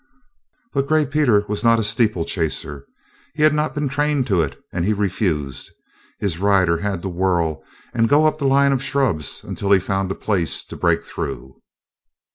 But Gray Peter was not a steeplechaser. He had not been trained to it, and he refused. His rider had to whirl and go up the line of shrubs until he found a place to break through.